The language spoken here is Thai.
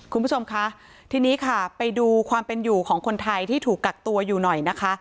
คุณผู้ชมคะทีนี้ค่ะไปดูความเป็นอยู่ของคนไทยที่ถูกกักตัวอยู่หน่อยนะคะ